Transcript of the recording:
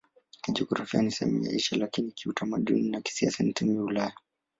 Kijiografia ni sehemu ya Asia, lakini kiutamaduni na kisiasa ni sehemu ya Ulaya.